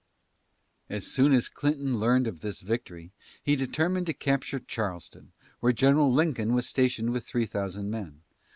As soon as Clinton learned of this victory, he determined to capture Charleston, where General Lincoln was stationed with three thousand men.